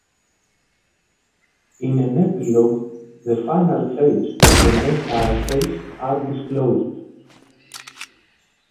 In an epilogue, the final fates of the main characters are disclosed.